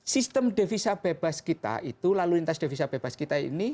sistem devisa bebas kita itu lalu lintas devisa bebas kita ini